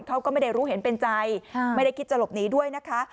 เขาก็ไม่ได้รู้เห็นเป็นใจไม่ได้คิดจะหลบหนีด้วยนะคะ